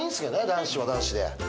男子は男子で。